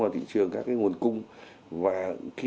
thì rõ ràng nó làm giảm cái